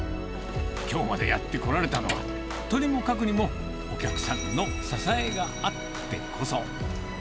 きょうまでやってこられたのは、とにもかくにもお客さんの支えがあってこそ。